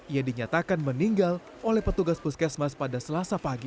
ia dinyatakan meninggal oleh petugas puskesmas pada selasa pagi